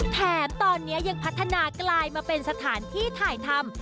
แถมตอนนี้ยังพัฒนากลายมาเป็นสถานที่ถ่ายทำ